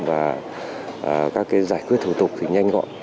và các giải quyết thủ tục thì nhanh gọn